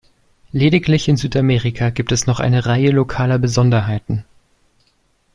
Lediglich in Südamerika gibt es noch eine Reihe lokaler Besonderheiten.